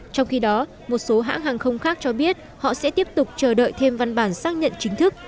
trong khi đó một số hãng hàng không khác cho biết họ sẽ tiếp tục chờ đợi thêm văn bản xác nhận chính thức